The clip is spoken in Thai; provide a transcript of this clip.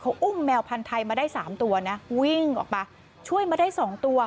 เขาอุ้มแมวพันธุ์ไทยมาได้สามตัวนะวิ่งออกมาช่วยมาได้สองตัว